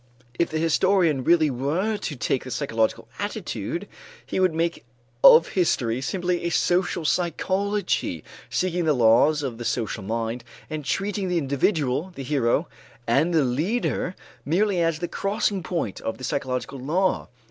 If the historian really were to take the psychological attitude, he would make of history simply a social psychology, seeking the laws of the social mind, and treating the individual, the hero, and the leader, merely as the crossing point of psychological law.